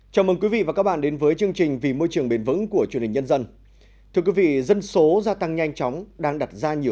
chào mừng quý vị và các bạn đến với chương trình vì môi trường bền vững của truyền hình nhân dân